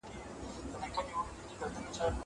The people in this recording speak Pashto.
زه به د زده کړو تمرين کړی وي!!